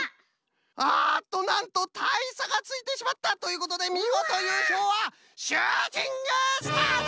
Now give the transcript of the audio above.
ああっとなんとたいさがついてしまった！ということでみごとゆうしょうはシューティングスターズ！